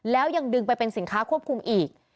แล้วยังดึงไปเป็นสินค้าควบคุมอีก